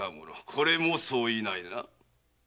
これも相違ないな？